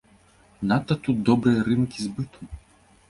Надта тут добрыя рынкі збыту!